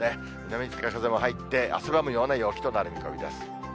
南風も入って、汗ばむような陽気となる見込みです。